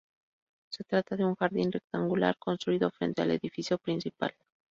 Se trata de un jardín rectangular construido frente al edificio principal.